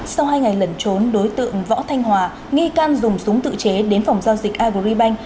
sau hai ngày lẩn trốn đối tượng võ thanh hòa nghi can dùng súng tự chế đến phòng giao dịch agribank